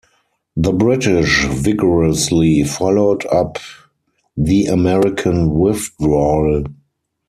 The British vigorously followed up the American withdrawal.